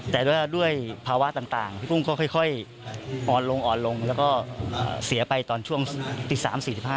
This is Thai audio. แต่ด้วยภาวะต่างพี่กุ้งก็ค่อยอ่อนลงอ่อนลงแล้วก็เสียไปตอนช่วงตี๓๔๕